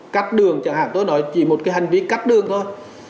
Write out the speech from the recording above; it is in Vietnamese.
cắt đường chẳng hạn tôi nói chỉ một cái hành vi cắt đường thôi